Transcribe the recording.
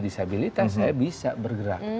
disabilitas saya bisa bergerak